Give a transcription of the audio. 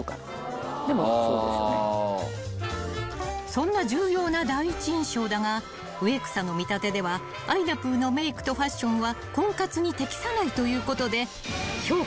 ［そんな重要な第一印象だが植草の見立てではあいなぷぅのメークとファッションは婚活に適さないということで］